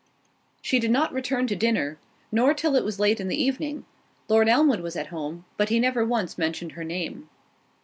She did not return to dinner, nor till it was late in the evening; Lord Elmwood was at home, but he never once mentioned her name.